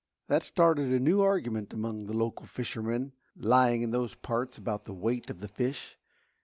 That started a new argument among the local fishermen "lying" in those parts about the weight of the fish.